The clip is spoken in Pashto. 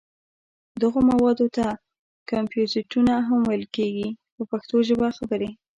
دغو موادو ته کمپوزېټونه هم ویل کېږي په پښتو ژبه خبرې.